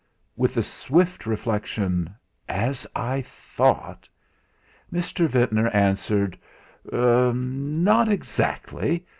With the swift reflection: 'As I thought!' Mr. Ventnor answered: "Er not exactly.